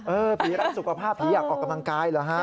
เออพี่รักสุขภาพพี่อยากออกกำลังกายหรือ